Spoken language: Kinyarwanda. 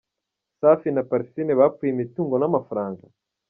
Safi na Parfine bapfuye imitungo n’amafaranga?.